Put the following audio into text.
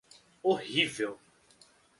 Horrível.